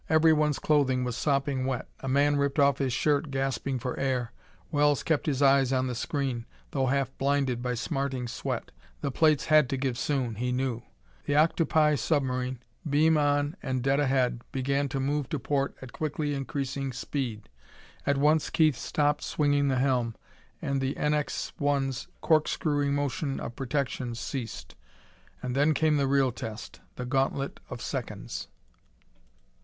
Everyone's clothing was sopping wet. A man ripped off his shirt, gasping for air. Wells kept his eyes on the screen, though half blinded by smarting sweat. The plates had to give soon, he knew. The octopi submarine, beam on and dead ahead, began to move to port at quickly increasing speed. At once Keith stopped swinging the helm, and the NX 1's corkscrewing motion of protection ceased. And then came the real test, the gauntlet of seconds.